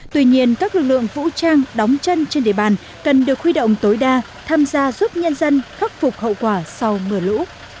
tuy nhiên các lực lượng vũ trang đóng chân trên địa bàn cần được huy động tối đa tham gia giúp nhân dân khắc phục hậu quả sau mưa lũ